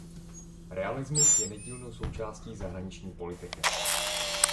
Realismus je nedílnou součástí zahraniční politiky.